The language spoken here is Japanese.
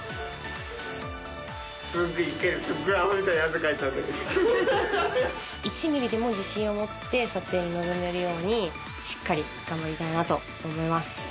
すごく１回で、１ミリでも自信を持って撮影に臨めるように、しっかり頑張りたいなと思います。